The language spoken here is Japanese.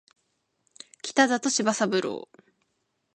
北里柴三郎